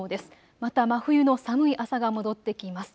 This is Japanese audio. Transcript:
また真冬の寒い朝が戻ってきます。